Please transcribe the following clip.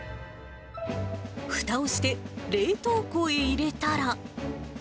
ふたをして、冷凍庫へ入れたら。